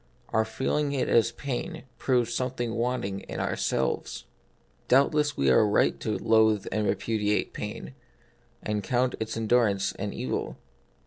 Our feeling it as pain, proves something wanting in our selves. Doubtless we are right to loathe and repu diate pain, and count its endurance an evil.